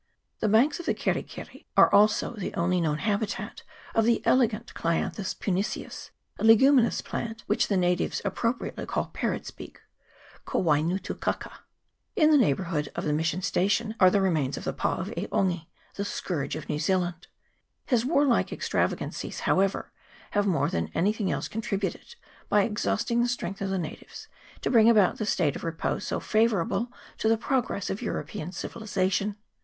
The banks of the Keri keri are also the only known habitat of the elegant Clianthus puniceus, a leguminous plant, which the natives appropriately call parrot's bill ko waingutu kaka. In the neigh bourhood of the mission station are the remains of the pa of E' Ongi, the scourge of New Zealand. His warlike extravagancies, however, have more than anything else contributed, by exhausting the strength of the natives, to bring about that state of repose so favourable to the progress of European civilization.